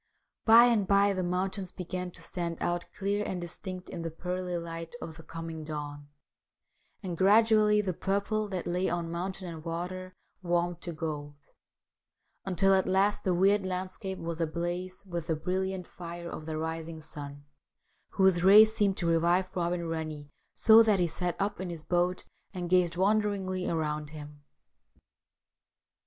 By and by the mountains began to stand out clear and distinct in the pearly light of the coming dawn ; and gradually the purple that lay on mountain and water warmed to gold, until at last the weird landscape was ablaze with the brilliant fire of the rising sun, whose rays seemed to revive Robin Rennie, so that he sat up in his boat and gazed wonderingly around him.